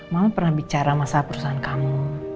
mama pernah bicara masalah perusahaan kamu